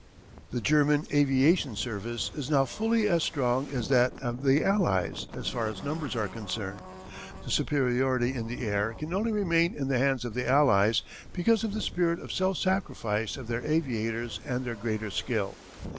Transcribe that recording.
"The German aviation service is now fully as strong as that of the Allies as far as numbers are concerned. The superiority in the air can only remain in the hands of the Allies because of the spirit of self sacrifice of their aviators and their greater skill.